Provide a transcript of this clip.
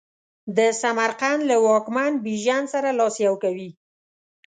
د سمرقند له واکمن بیژن سره لاس یو کوي.